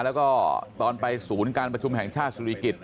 แล้วก็ตอนไปศูนย์การประชุมแห่งชาติสุริกิจ